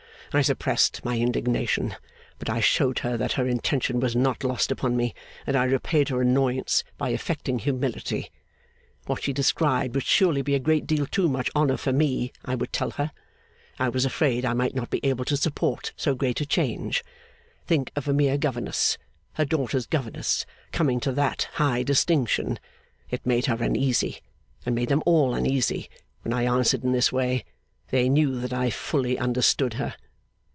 I suppressed my indignation; but I showed her that her intention was not lost upon me, and I repaid her annoyance by affecting humility. What she described would surely be a great deal too much honour for me, I would tell her. I was afraid I might not be able to support so great a change. Think of a mere governess, her daughter's governess, coming to that high distinction! It made her uneasy, and made them all uneasy, when I answered in this way. They knew that I fully understood her.